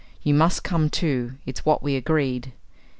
You must come too. It's what we agreed."